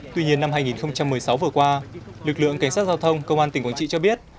tuy nhiên năm hai nghìn một mươi sáu vừa qua lực lượng cảnh sát giao thông công an tỉnh quảng trị cho biết